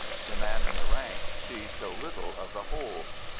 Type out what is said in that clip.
The man in the ranks sees so little of the whole.